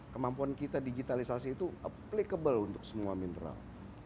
kemampuan kita digitalisasi itu applicable untuk semua mineral